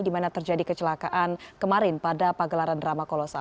di mana terjadi kecelakaan kemarin pada pagelaran drama kolosa